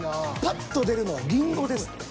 パッと出るのはリンゴですって。